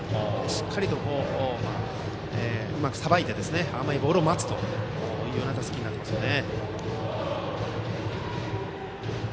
しっかりと、うまくさばいて甘いボールを待つという打席になりますね。